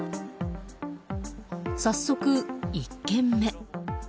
早速１軒目。